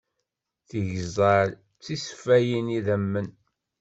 Tigeẓẓal d tiṣeffayin n yidammen.